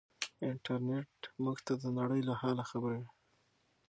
انټرنيټ موږ ته د نړۍ له حاله خبروي.